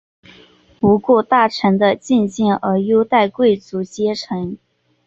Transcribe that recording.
不顾大臣的进谏而优待贵族阶层。